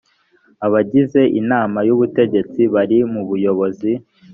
abagize inama y ubutegetsi bari mu buyobozi